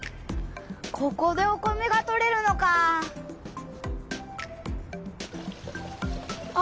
ここでお米がとれるのかあ！